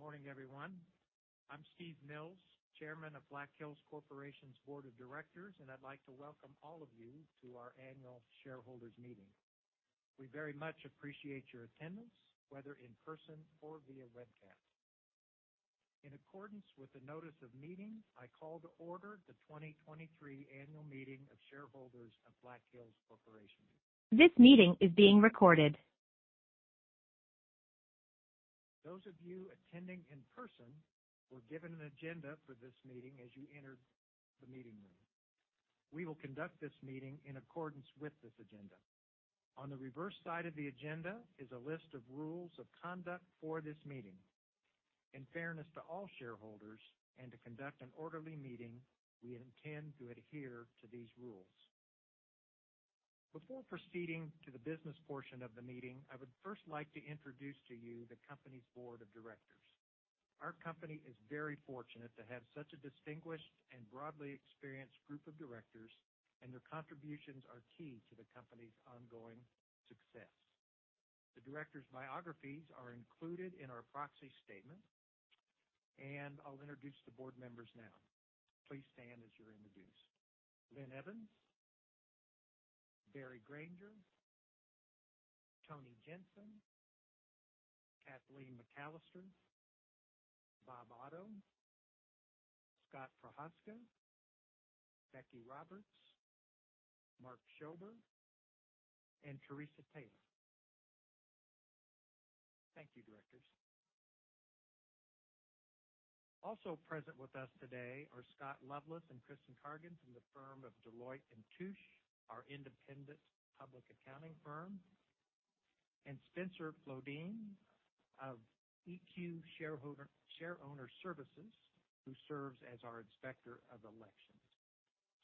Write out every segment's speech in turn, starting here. Good morning, everyone. I'm Steve Mills, Chairman of Black Hills Corporation's Board of Directors, I'd like to welcome all of you to our annual shareholders meeting. We very much appreciate your attendance, whether in person or via webcast. In accordance with the notice of meeting, I call to order the 2023 annual meeting of shareholders of Black Hills Corporation. Those of you attending in person were given an agenda for this meeting as you entered the meeting room. We will conduct this meeting in accordance with this agenda. On the reverse side of the agenda is a list of rules of conduct for this meeting. In fairness to all shareholders and to conduct an orderly meeting, we intend to adhere to these rules. Before proceeding to the business portion of the meeting, I would first like to introduce to you the company's board of directors. Our company is very fortunate to have such a distinguished and broadly experienced group of directors, and their contributions are key to the company's ongoing success. The directors' biographies are included in our proxy statement, and I'll introduce the board members now. Please stand as you're introduced. Linden R. Evans, Barry M. Granger, Tony A. Jensen, Kathleen S. McAllister, Robert P. Otto, Scott M. Prochazka, Rebecca B. Roberts, Mark A. Schober, and Teresa A. Taylor. Thank you, directors. Also present with us today are Scott Loveless and Kristen Cargin from the firm of Deloitte & Touche, our independent public accounting firm, and Spencer Flodin of EQ Shareowner Services, who serves as our Inspector of Elections.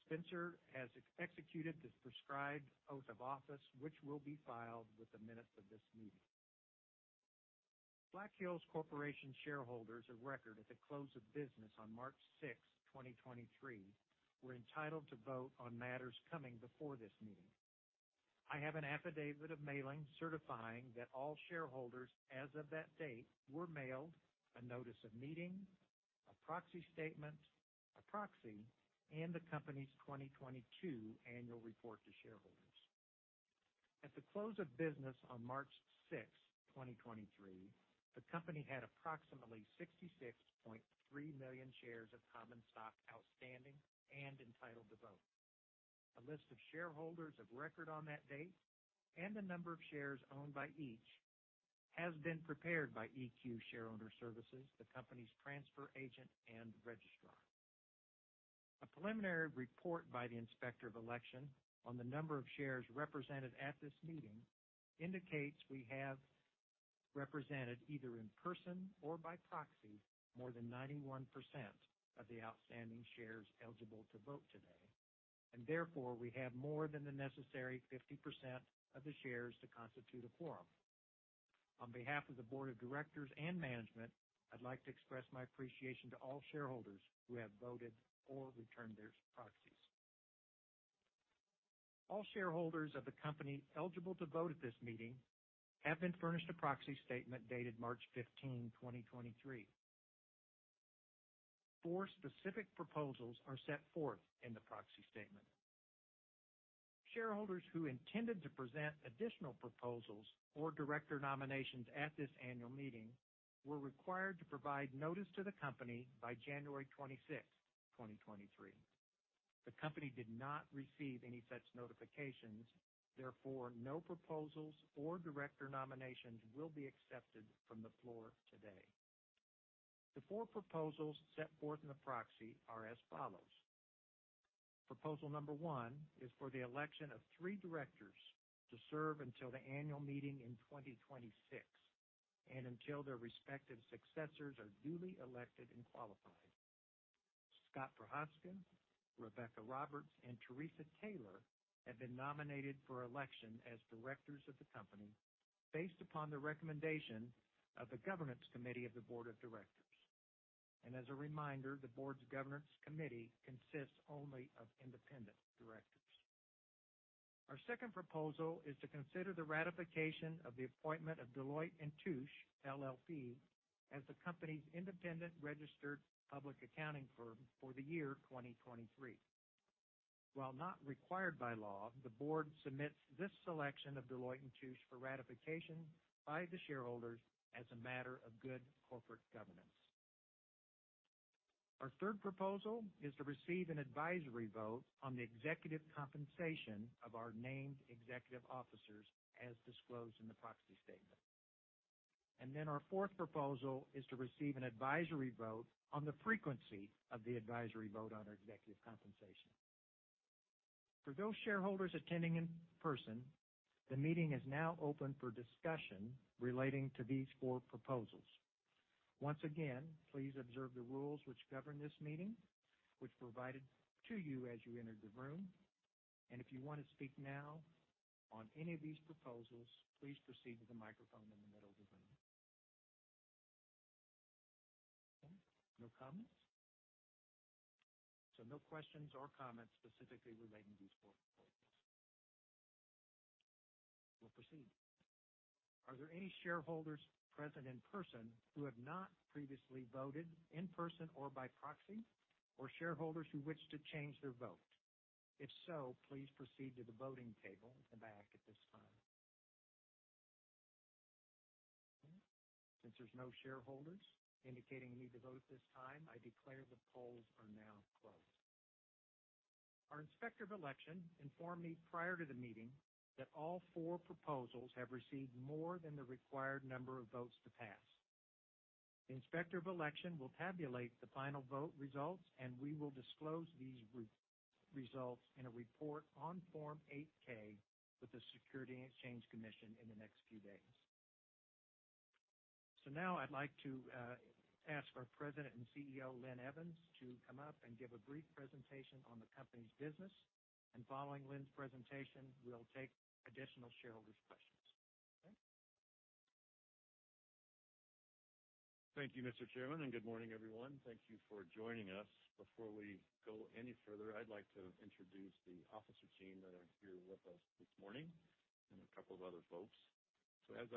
Spencer has executed the prescribed oath of office, which will be filed with the minutes of this meeting. Black Hills Corporation shareholders of record at the close of business on March 6, 2023, were entitled to vote on matters coming before this meeting. I have an affidavit of mailing certifying that all shareholders as of that date were mailed a notice of meeting, a proxy statement, a proxy, and the company's 2022 annual report to shareholders. At the close of business on March 6, 2023, the company had approximately 66.3 million shares of common stock outstanding and entitled to vote. A list of shareholders of record on that date and the number of shares owned by each has been prepared by EQ Shareowner Services, the company's transfer agent and registrar. A preliminary report by the Inspector of Elections on the number of shares represented at this meeting indicates we have represented, either in person or by proxy, more than 91% of the outstanding shares eligible to vote today. Therefore, we have more than the necessary 50% of the shares to constitute a quorum. On behalf of the Board of Directors and management, I'd like to express my appreciation to all shareholders who have voted or returned their proxies. All shareholders of the company eligible to vote at this meeting have been furnished a proxy statement dated March 15, 2023. Four specific proposals are set forth in the proxy statement. Shareholders who intended to present additional proposals or director nominations at this annual meeting were required to provide notice to the company by January 26, 2023. The company did not receive any such notifications, therefore, no proposals or director nominations will be accepted from the floor today. The four proposals set forth in the proxy are as follows. Proposal number 1 is for the election of 3 directors to serve until the annual meeting in 2026 and until their respective successors are duly elected and qualified. Scott Prochazka, Rebecca Roberts, and Teresa Taylor have been nominated for election as directors of the company based upon the recommendation of the Governance Committee of the Board of Directors. As a reminder, the board's Governance Committee consists only of independent directors. Our second proposal is to consider the ratification of the appointment of Deloitte & Touche LLP as the company's independent registered public accounting firm for the year 2023. While not required by law, the board submits this selection of Deloitte & Touche for ratification by the shareholders as a matter of good corporate governance. Our third proposal is to receive an advisory vote on the executive compensation of our named executive officers, as disclosed in the proxy statement. Our fourth proposal is to receive an advisory vote on the frequency of the advisory vote on our executive compensation. For those shareholders attending in person, the meeting is now open for discussion relating to these four proposals. Once again, please observe the rules which govern this meeting, which were provided to you as you entered the room. If you want to speak now on any of these proposals, please proceed to the microphone in the middle of the room. Comments? No questions or comments specifically relating to these four points. We'll proceed. Are there any shareholders present in person who have not previously voted in person or by proxy, or shareholders who wish to change their vote? If so, please proceed to the voting table in the back at this time. Since there's no shareholders indicating a need to vote this time, I declare the polls are now closed. Our Inspector of Election informed me prior to the meeting that all four proposals have received more than the required number of votes to pass. The Inspector of Election will tabulate the final vote results, and we will disclose these re-results in a report on Form 8-K with the Securities and Exchange Commission in the next few days. Now I'd like to ask our President and CEO, Linn Evans, to come up and give a brief presentation on the company's business. Following Linn's presentation, we'll take additional shareholders' questions. Okay. Thank you, Mr. Chairman. Good morning, everyone. Thank you for joining us. Before we go any further, I'd like to introduce the officer team that are here with us this morning and a couple of other folks. As,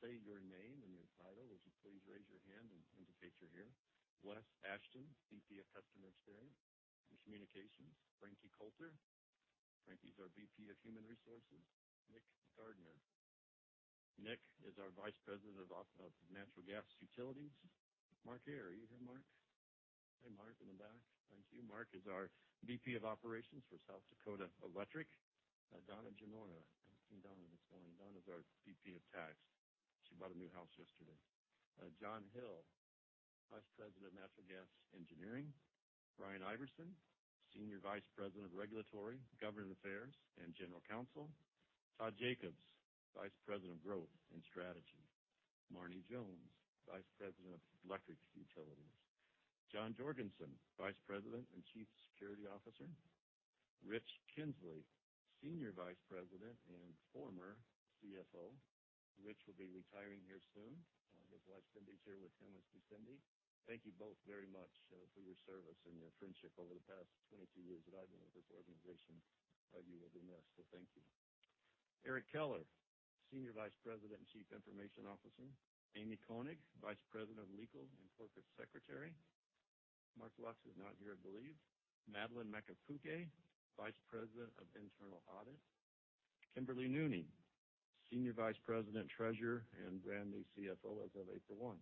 say your name and your title, would you please raise your hand and indicate you're here. Wes Ashton, VP of Customer Experience and Communications. Franki Coulter. Franki is our VP of Human Resources. Nick Gardner. Nick is our Vice President of Natural Gas Utilities. Mark Eyre. Are you here, Mark? Hey, Mark, in the back. Thank you. Mark is our VP of Operations for South Dakota Electric. Donna Genora. I haven't seen Donna this morning. Donna is our VP of Tax. She bought a new house yesterday. John Hill, Vice President of Natural Gas Engineering. Brian Iverson, Senior Vice President of Regulatory, Government Affairs, and General Counsel. Todd Jacobs, Vice President of Growth and Strategy. Marne Jones, Vice President of Electric Utilities. John Jorgensen, Vice President and Chief Security Officer. Richard Kinzley, Senior Vice President and former CFO. Rich will be retiring here soon. His wife, Cindy, is here with him. Let's do Cindy. Thank you both very much for your service and your friendship over the past 22 years that I've been with this organization. You will be missed. Thank you. Erik Keller, Senior Vice President and Chief Information Officer. Amy Koenig, Vice President of Legal and Corporate Secretary. Mark Lux is not here, I believe. Madeline Macapugay, Vice President of Internal Audit. Kimberly Nooney, Senior Vice President, Treasurer, and brand new CFO as of April 1.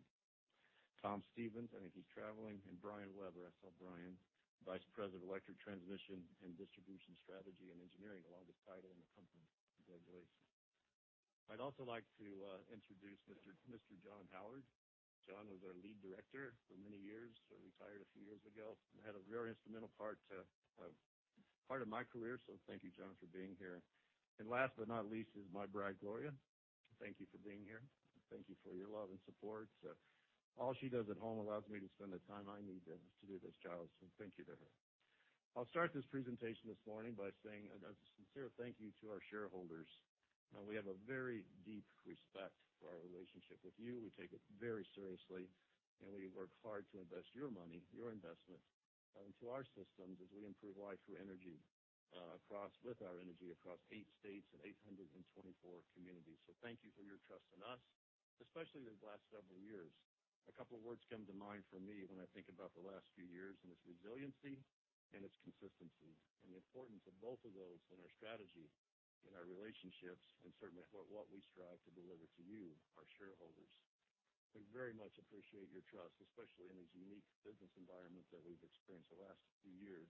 Tom Stevens, I think he's traveling. Brian Weber, I saw Brian, Vice President of Electric Transmission and Distribution Strategy and Engineering, the longest title in the company. Congratulations. I'd also like to introduce Mr. John Howard. John was our Lead Director for many years, retired a few years ago and had a very instrumental part to part of my career. Thank you, John, for being here. Last but not least is my bride, Gloria. Thank you for being here. Thank you for your love and support. All she does at home allows me to spend the time I need to do this job. Thank you to her. I'll start this presentation this morning by saying a sincere thank you to our shareholders. We have a very deep respect for our relationship with you. We take it very seriously, and we work hard to invest your money, your investment, into our systems as we improve life through energy, across with our energy across eight states and 824 communities. Thank you for your trust in us, especially these last several years. A couple of words come to mind for me when I think about the last few years, and it's resiliency and it's consistency and the importance of both of those in our strategy, in our relationships, and certainly what we strive to deliver to you, our shareholders. We very much appreciate your trust, especially in this unique business environment that we've experienced the last few years.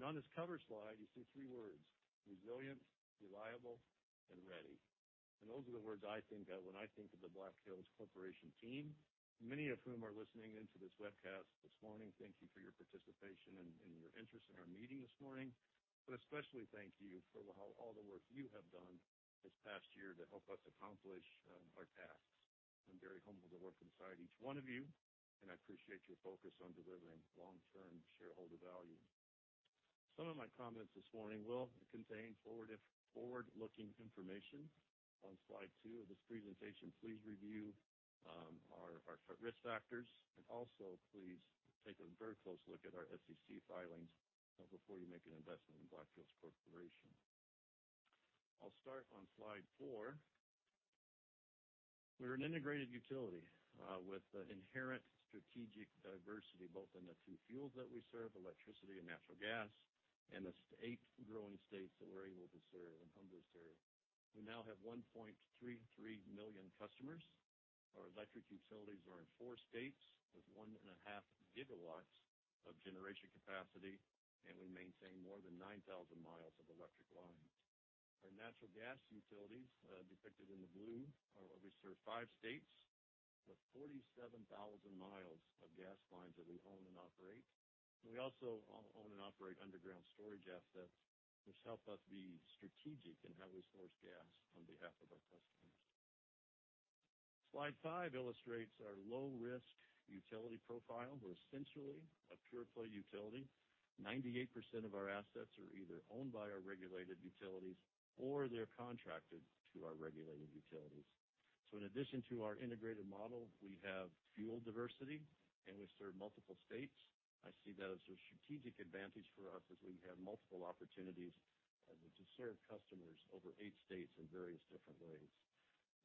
On this cover slide, you see three words: Resilient, Reliable, and Ready. Those are the words I think of when I think of the Black Hills Corporation team, many of whom are listening into this webcast this morning. Thank you for your participation and your interest in our meeting this morning. Especially thank you for all the work you have done this past year to help us accomplish our tasks. I'm very humbled to work beside each one of you, and I appreciate your focus on delivering long-term shareholder value. Some of my comments this morning will contain forward-looking information. On slide two of this presentation, please review our risk factors. Also, please take a very close look at our SEC filings before you make an investment in Black Hills Corporation. I'll start on slide four. We're an integrated utility, with the inherent strategic diversity, both in the two fuels that we serve, electricity and natural gas, and the eight growing states that we're able to serve and humble territory. We now have 1.33 million customers. Our electric utilities are in four states with 1.5 GW of generation capacity, and we maintain more than 9,000 mi of electric lines. Our natural gas utilities, depicted in the blue, we serve five states with 47,000 mi of gas lines that we own and operate. We also own and operate underground storage assets, which help us be strategic in how we source gas on behalf of our customers. Slide five illustrates our low-risk utility profile. We're essentially a pure play utility. 98% of our assets are either owned by our regulated utilities or they're contracted to our regulated utilities. In addition to our integrated model, we have fuel diversity and we serve multiple states. I see that as a strategic advantage for us as we have multiple opportunities to serve customers over eight states in various different ways.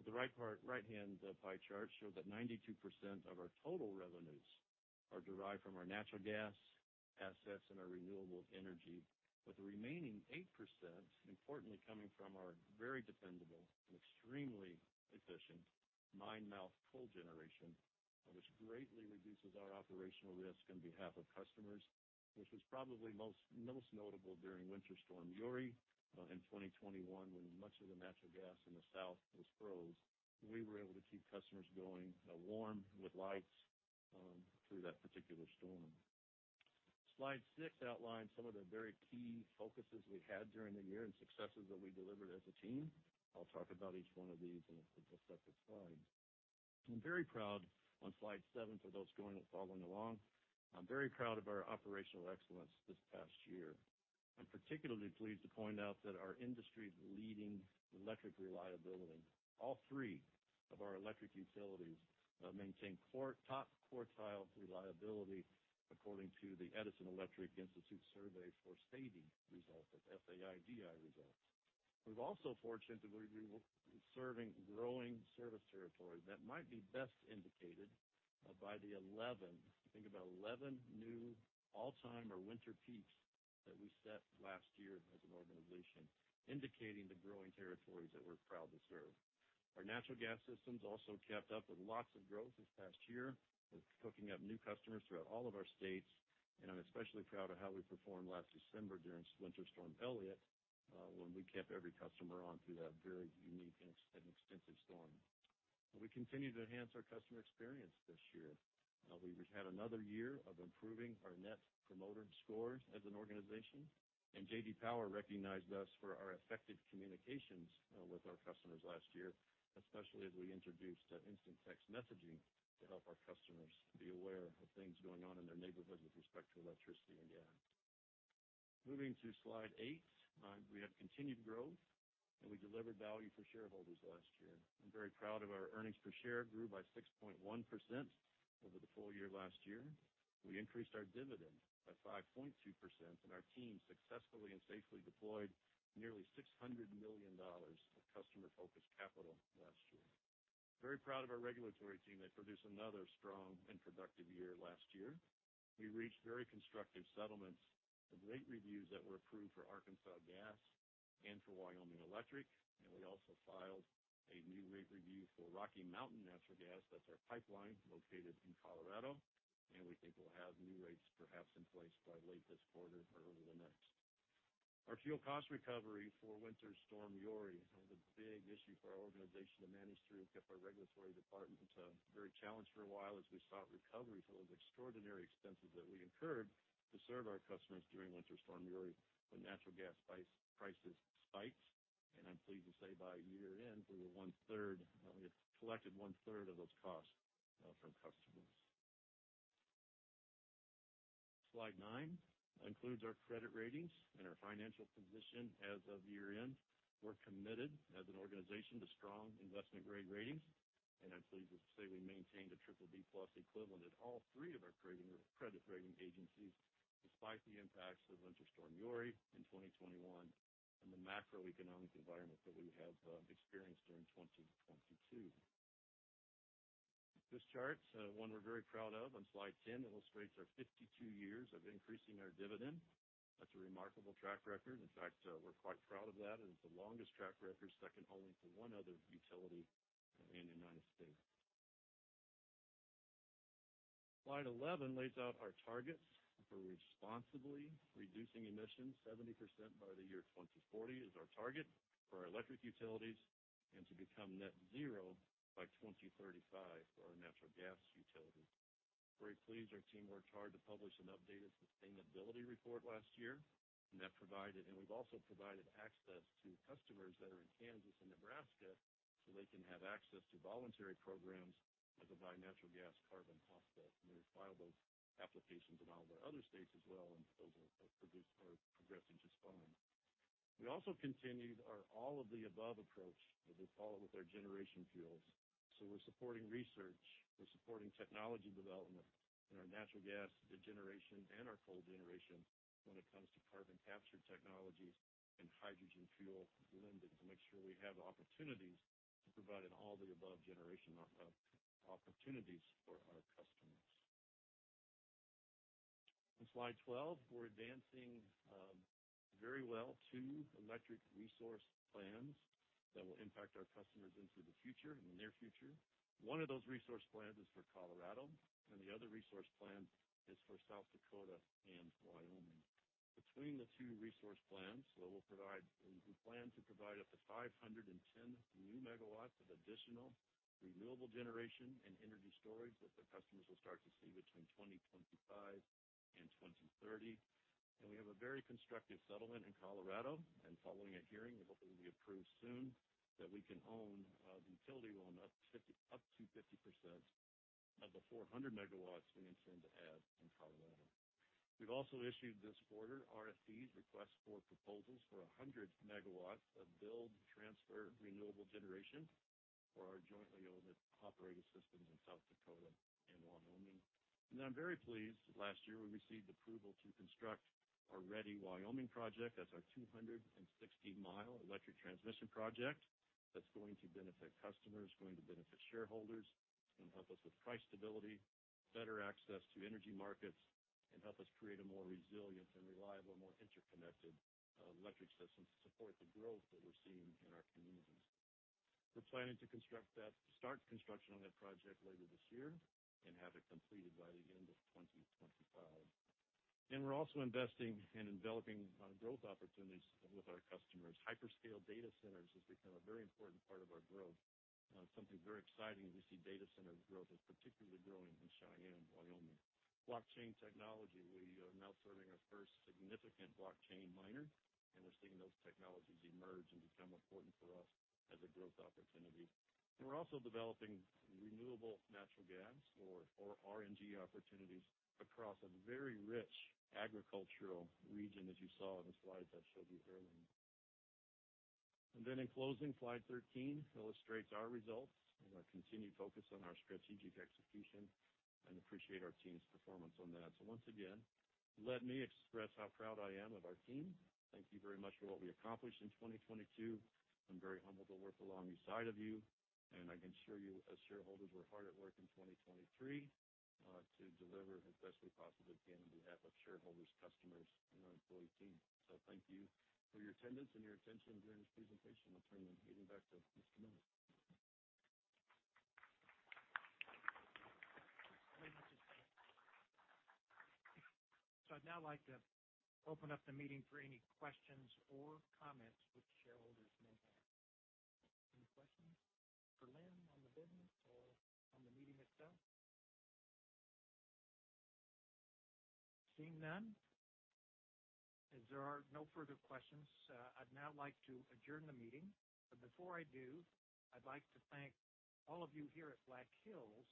The right-hand pie chart show that 92% of our total revenues are derived from our natural gas assets and our renewable energy, with the remaining 8% importantly coming from our very dependable and extremely efficient mine-mouth coal generation. This greatly reduces our operational risk on behalf of customers, which was probably most notable during Winter Storm Uri in 2021, when much of the natural gas in the south was froze. We were able to keep customers going, warm with lights, through that particular storm. Slide 6 outlines some of the very key focuses we had during the year and successes that we delivered as a team. I'll talk about each one of these in the separate slides. I'm very proud, on slide seven for those going and following along, I'm very proud of our operational excellence this past year. I'm particularly pleased to point out that our industry's leading electric reliability. All three of our electric utilities, maintain top quartile reliability, according to the Edison Electric Institute survey for FAIDI results, that's F-A-I-D-I results. We're also fortunate that we're serving growing service territories that might be best indicated, by the 11, I think about 11 new all-time or winter peaks that we set last year as an organization, indicating the growing territories that we're proud to serve. Our natural gas systems also kept up with lots of growth this past year. It's hooking up new customers throughout all of our states. I'm especially proud of how we performed last December during Winter Storm Elliott, when we kept every customer on through that very unique and extensive storm. We continued to enhance our customer experience this year. We've had another year of improving our Net Promoter Scores as an organization, and J.D. Power recognized us for our effective communications with our customers last year, especially as we introduced instant text messaging to help our customers be aware of things going on in their neighborhood with respect to electricity and gas. Moving to slide eight. We had continued growth and we delivered value for shareholders last year. I'm very proud of our earnings per share grew by 6.1% over the full year last year. We increased our dividend by 5.2%, and our team successfully and safely deployed nearly $600 million of customer-focused capital last year. Very proud of our regulatory team. They produced another strong and productive year last year. We reached very constructive settlements and rate reviews that were approved for Arkansas Gas and for Wyoming Electric, and we also filed a new rate review for Rocky Mountain Natural Gas LLC. That's our pipeline located in Colorado, and we think we'll have new rates perhaps in place by late this quarter or early the next. Our fuel cost recovery for Winter Storm Uri was a big issue for our organization to manage through, kept our regulatory department very challenged for a while as we sought recovery for those extraordinary expenses that we incurred to serve our customers during Winter Storm Uri when natural gas prices spiked. I'm pleased to say, by year-end, we had collected one-third of those costs from customers. Slide 9 includes our credit ratings and our financial position as of year-end. We're committed as an organization to strong investment-grade ratings. I'm pleased to say we maintained a BBB+ equivalent at all three of our credit rating agencies, despite the impacts of Winter Storm Uri in 2021 and the macroeconomic environment that we have experienced during 2022. This chart, one we're very proud of on slide 10, illustrates our 52 years of increasing our dividend. That's a remarkable track record. In fact, we're quite proud of that. It's the longest track record, second only to one other utility in the United States. Slide 11 lays out our targets for responsibly reducing emissions 70% by the year 2040 is our target for our electric utilities. To become net zero by 2035 for our natural gas utilities. Very pleased, our team worked hard to publish an updated sustainability report last year. We've also provided access to customers that are in Kansas and Nebraska, so they can have access to voluntary programs as a buy natural gas carbon offset. We filed those applications in all of our other states as well, and those are progressing to plan. We also continued our all-of-the-above approach with our generation fuels. We're supporting research, we're supporting technology development in our natural gas generation and our coal generation when it comes to carbon capture technologies and hydrogen fuel limited, to make sure we have the opportunities to provide an all-of-the-above generation of opportunities for our customers. On slide 12, we're advancing very well two electric resource plans that will impact our customers into the future, in the near future. One of those resource plans is for Colorado, the other resource plan is for South Dakota and Wyoming. Between the two resource plans, we plan to provide up to 510 new megawatts of additional renewable generation and energy storage that the customers will start to see between 2025 and 2030. We have a very constructive settlement in Colorado. Following a hearing, we hope it will be approved soon that we can own The 400 MW we intend to add in Colorado. We've also issued this quarter RFPs, requests for proposals for 100 MW of build transfer renewable generation for our jointly owned and operated systems in South Dakota and Wyoming. I'm very pleased, last year, we received approval to construct our Ready Wyoming project. That's our 260-mile electric transmission project that's going to benefit customers, going to benefit shareholders, gonna help us with price stability, better access to energy markets, and help us create a more resilient and reliable, more interconnected electric system to support the growth that we're seeing in our communities. We're planning to construct that, start construction on that project later this year and have it completed by the end of 2025. We're also investing in developing growth opportunities with our customers. Hyperscale data centers has become a very important part of our growth. Something very exciting is we see data center growth is particularly growing in Cheyenne, Wyoming. Blockchain technology, we are now serving our first significant blockchain miner, and we're seeing those technologies emerge and become important for us as a growth opportunity. We're also developing renewable natural gas or RNG opportunities across a very rich agricultural region, as you saw in the slides I showed you earlier. In closing, slide 13 illustrates our results and our continued focus on our strategic execution, and appreciate our team's performance on that. Once again, let me express how proud I am of our team. Thank you very much for what we accomplished in 2022. I'm very humbled to work alongside of you, and I can assure you, as shareholders, we're hard at work in 2023 to deliver as best we possibly can on behalf of shareholders, customers, and our employee team. Thank you for your attendance and your attention during this presentation. I'll turn the meeting back to Mr. Mills. Thank you. I'd now like to open up the meeting for any questions or comments which shareholders may have. Any questions for Linn on the business or on the meeting itself? Seeing none, as there are no further questions, I'd now like to adjourn the meeting. Before I do, I'd like to thank all of you here at Black Hills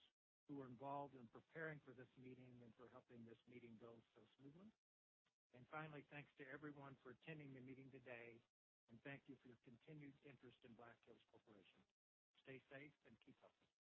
who are involved in preparing for this meeting and for helping this meeting go so smoothly. Finally, thanks to everyone for attending the meeting today, and thank you for your continued interest in Black Hills Corporation. Stay safe and keep healthy.